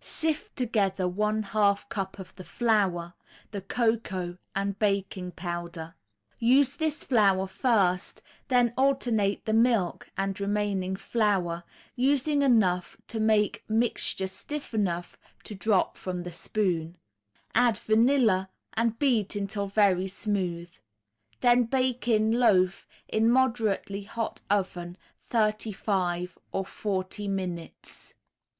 Sift together one half cup of the flour, the cocoa and baking powder; use this flour first, then alternate the milk and remaining flour, using enough to make mixture stiff enough to drop from the spoon; add vanilla and beat until very smooth; then bake in loaf in moderately hot oven thirty five or forty minutes.